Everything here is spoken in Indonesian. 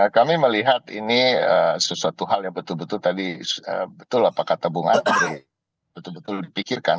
kami melihat ini sesuatu hal yang betul betul tadi betul apa kata bung andri betul betul dipikirkan